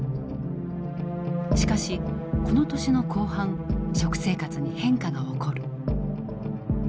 しかしこの年の後半食生活に変化が起こる。